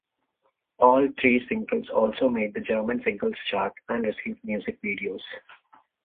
All three singles also made the German Singles Chart and received music videos.